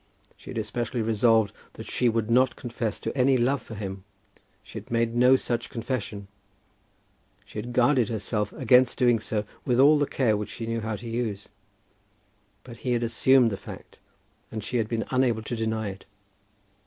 She had especially resolved that she would not confess to any love for him. She had made no such confession. She had guarded herself against doing so with all the care which she knew how to use. But he had assumed the fact, and she had been unable to deny it.